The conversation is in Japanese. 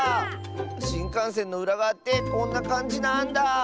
しんかんせんのうらがわってこんなかんじなんだ。